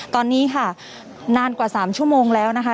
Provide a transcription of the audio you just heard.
ตอนนี้ค่ะนานกว่า๓ชั่วโมงแล้วนะคะ